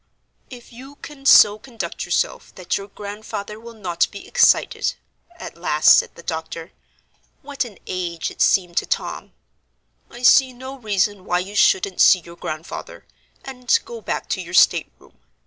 "If you can so conduct yourself that your Grandfather will not be excited," at last said the doctor, what an age it seemed to Tom, "I see no reason why you shouldn't see your Grandfather, and go back to your state room.